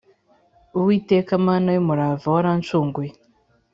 Uwiteka Mana y umurava warancunguye